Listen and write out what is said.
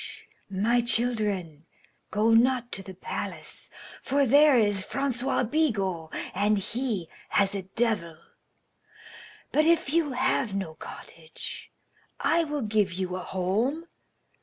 My children, go not to the palace, for there is Francois Bigot, and he has a devil. But if you have no cottage, I will give you a home.